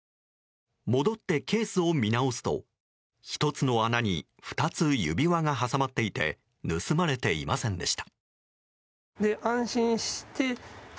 戻ってケースを見直すと１つの穴に２つ指輪が挟まっていて盗まれていませんでした。